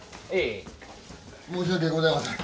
申し訳ございません。